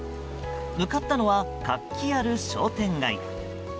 向かったのは活気ある商店街。